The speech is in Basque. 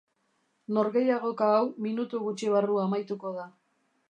Norgehiagoka hau minutu gutxi barru amaituko da.